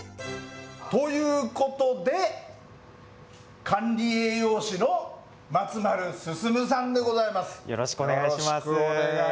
ということで、管理栄養士の松丸奨さんでございます。